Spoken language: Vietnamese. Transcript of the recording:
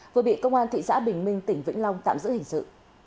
vừa bị công an thị xã bình minh tỉnh vĩnh long tạm giữ hình sự